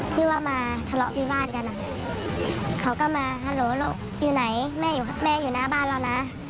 ที่ว่ามาทะเลาะวิวาสกันเขาก็มาฮัลโหลลูกอยู่ไหนแม่อยู่หน้าบ้านเรานะ